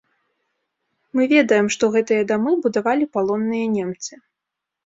Мы ведаем, што гэтыя дамы будавалі палонныя немцы.